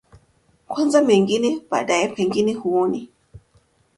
kwanza mengine baadaye pengine huoni